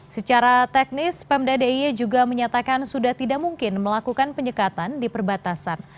secara teknis pemda d i e juga menyatakan sudah tidak mungkin melakukan penyekatan di perbatasan